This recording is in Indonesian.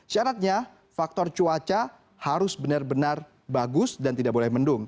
syaratnya faktor cuaca harus benar benar bagus dan tidak boleh mendung